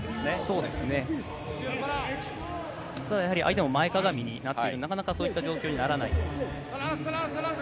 相手も前かがみになって、なかなかそういう状況にはならない。